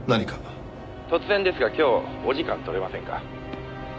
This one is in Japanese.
「突然ですが今日お時間取れませんか？」